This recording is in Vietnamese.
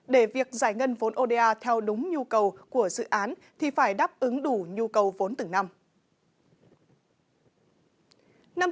để việc giải ngân vốn oda theo đúng nhu cầu của dự án thì phải đáp ứng đủ nhu cầu vốn từng năm